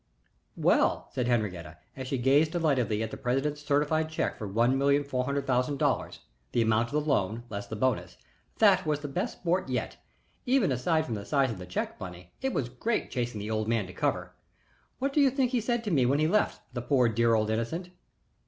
"Well," said Henriette, as she gazed delightedly at the president's certified check for one million four hundred thousand dollars the amount of the loan less the bonus "that was the best sport yet. Even aside from the size of the check, Bunny, it was great chasing the old man to cover. What do you think he said to me when he left, the poor, dear old innocent?"